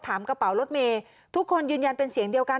กระเป๋ารถเมย์ทุกคนยืนยันเป็นเสียงเดียวกัน